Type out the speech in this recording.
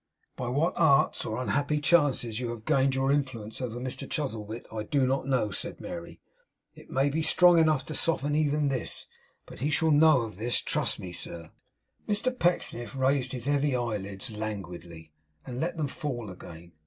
'By what arts or unhappy chances you have gained your influence over Mr Chuzzlewit, I do not know,' said Mary; 'it may be strong enough to soften even this, but he shall know of this, trust me, sir.' Mr Pecksniff raised his heavy eyelids languidly, and let them fall again.